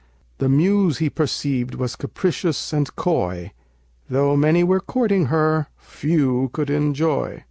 The Muse he perceived was capricious and coy; Though many were courting her, few could enjoy.